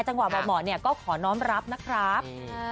จังหวะหมอลิฟต์ก็ขอน้องรับนะครับ